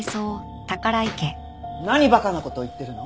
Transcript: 何を馬鹿な事言ってるの。